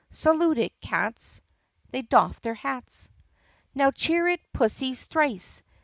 Salute it, cats! ( They doff their hats.) Now cheer it, pussies, thrice!